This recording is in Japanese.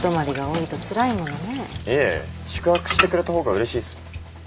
いえ宿泊してくれた方がうれしいっす